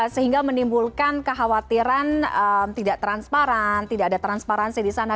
sehingga menimbulkan kekhawatiran tidak transparan tidak ada transparansi di sana